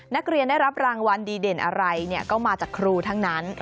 ได้รับรางวัลดีเด่นอะไรก็มาจากครูทั้งนั้น